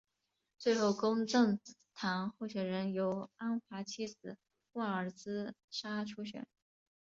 最后公正党候选人由安华妻子旺阿兹莎出选。